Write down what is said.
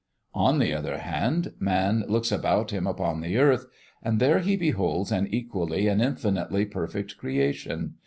On the other hand, man looks about him upon the earth, and there he beholds an equally and infinitely perfect creation.